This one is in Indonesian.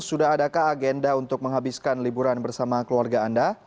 sudah adakah agenda untuk menghabiskan liburan bersama keluarga anda